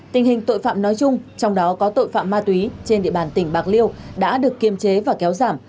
tình hình tội phạm nói chung trong đó có tội phạm ma túy trên địa bàn tỉnh bạc liêu đã được kiềm chế và kéo giảm